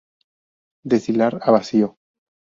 Destilar a vacío.